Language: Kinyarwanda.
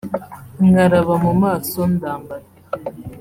nkaraba mu maso ndambara